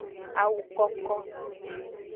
Awu koko.